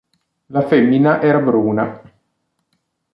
La femmina era bruna.